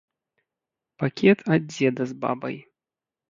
Пакет ад дзеда з бабай.